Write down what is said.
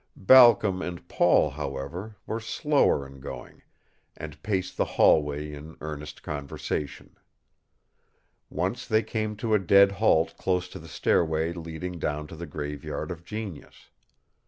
Balcom and Paul, however, were slower in going, and paced the hallway in earnest conversation. Once they came to a dead halt close to the stairway leading down to the Graveyard of Genius.